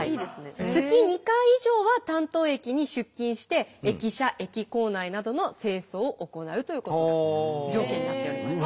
月２回以上は担当駅に出勤して駅舎・駅構内などの清掃を行うということが条件になっております。